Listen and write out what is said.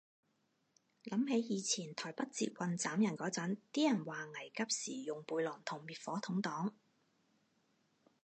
諗起以前台北捷運斬人嗰陣，啲人話危急時用背囊同滅火筒擋